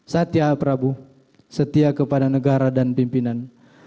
satya prabu setia kepada negara dan pimpinan